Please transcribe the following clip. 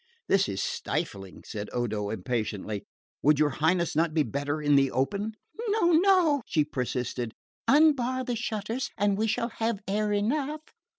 "This is stifling," said Odo impatiently. "Would your Highness not be better in the open?" "No, no," she persisted. "Unbar the shutters and we shall have air enough.